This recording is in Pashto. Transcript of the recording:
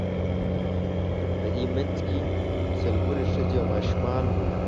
په دې منځ کې سلګونه ښځې او ماشومان وو.